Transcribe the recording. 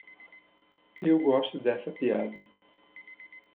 Eu gosto dessa piada.